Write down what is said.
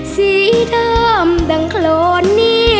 สีดำดังโคลนนี้